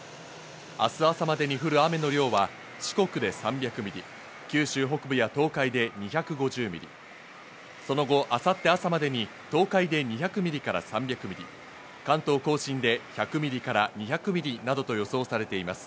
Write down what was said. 明日朝までに降る雨の量は四国で３００ミリ、九州北部や東海で２５０ミリ、その後、明後日朝までに東海で２００ミリから３００ミリ、関東甲信で１００ミリから２００ミリなどと予想されています。